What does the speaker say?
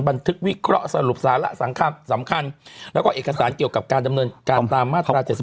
บันทึกวิเคราะห์สรุปสาระสำคัญแล้วก็เอกสารเกี่ยวกับการดำเนินการตามมาตรา๗๒